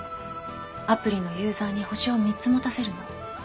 アプリのユーザーに星を３つ持たせるの。